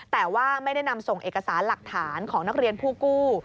แต่ว่าไม่ได้นำส่งเอกสารหลักฐานของนักเรียนผู้กู้